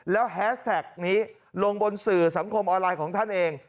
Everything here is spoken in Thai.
แล้วแฮสแท็กนี้ลงบนสื่อสังคมออนไลน์ของท่านเอง